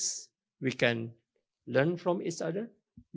kita bisa belajar dari satu sama lain